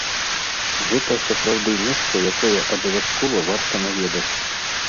Гэта сапраўды месца, якое абавязкова варта наведаць.